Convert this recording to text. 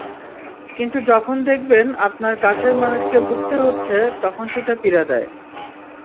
কিন্তু যখন দেখবেন আপনার কাছের মানুষকে ভুগতে হচ্ছে, তখন সেটা পীড়া দেয়।